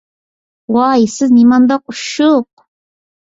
ۋاي سىز نېمانداق ئۇششۇق!